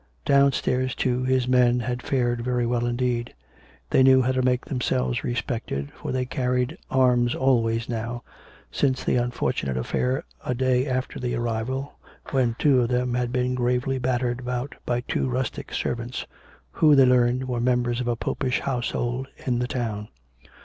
Downstairs, too, his men had fared very well indeed. They knew how to make themselves respected, for they carried arms always now, since the unfortunate affair a day after the arrival, when two of them had been gravely battered about by two rustic servants, who, they learned, were members of a Popish household in the town.